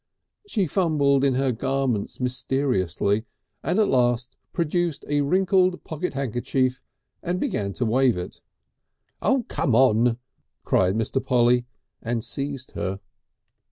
She fumbled in her garments mysteriously and at last produced a wrinkled pocket handkerchief and began to wave it. "Oh, come ON!" cried Mr. Polly, and seized her.